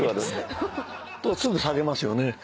すぐ下げますよね。